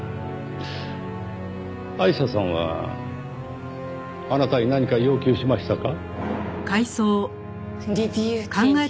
アイシャさんはあなたに何か要求しましたか？